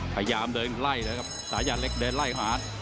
พยายามเดินไล่เลยครับสายันเล็กเดินไล่หา